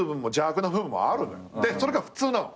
それが普通なの。